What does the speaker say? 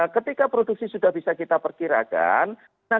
ketika produksi sudah bisa kita perkirakan